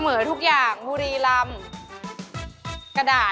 เสมอทุกอย่างฮุรีรำ